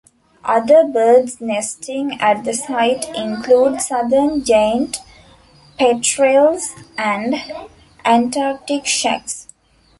Other birds nesting at the site include southern giant petrels and Antarctic shags.